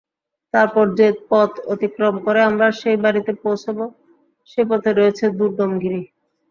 তারপর যে পথ অতিক্রম করে আমরা সেই বাড়িতে পৌঁছব সেপথে রয়েছে দূর্গম গিরি।